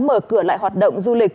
mở cửa lại hoạt động du lịch